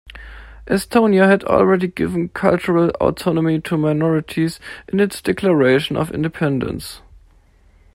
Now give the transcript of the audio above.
Estonia had already given cultural autonomy to minorities in its declaration of independence.